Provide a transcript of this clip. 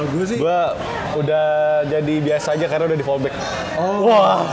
gue udah jadi biasa aja karena udah di fallback